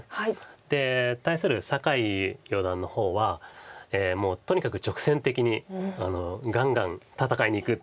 で対する酒井四段の方はもうとにかく直線的にガンガン戦いにいくっていう。